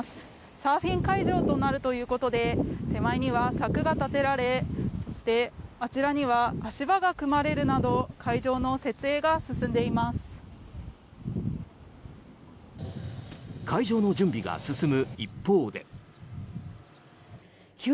サーフィン会場となるということで手前には柵が立てられそして、あちらには足場が組まれるなど会場の設営が進んでいます。